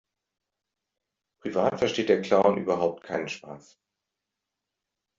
Privat versteht der Clown überhaupt keinen Spaß.